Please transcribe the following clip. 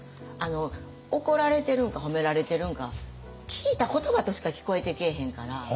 怒られてるんか褒められてるんか聞いた言葉としか聞こえてけえへんから。